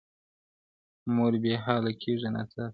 مور بې حاله کيږي ناڅاپه,